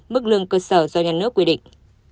mức lương cơ sở do nhà nước quy định